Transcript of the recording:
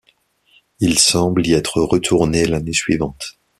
Il semble y être retourné l'année suivante.